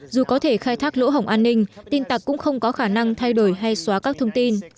dù có thể khai thác lỗ hổng an ninh tin tặc cũng không có khả năng thay đổi hay xóa các thông tin